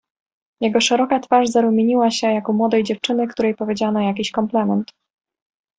"Jego szeroka twarz zarumieniła się, jak u młodej dziewczyny, której powiedziano jakiś komplement."